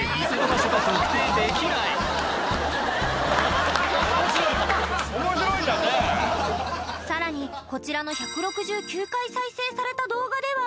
面白いさらにこちらの１６９回再生された動画では